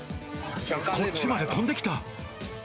こっちまで飛んできた。